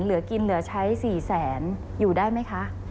เหลือกินเหลือใช้๔แสนอยู่ได้ไหมคะ